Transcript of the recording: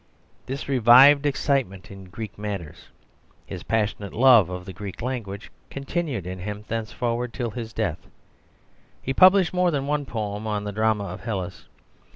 This revived excitement in Greek matters; "his passionate love of the Greek language" continued in him thenceforward till his death. He published more than one poem on the drama of Hellas.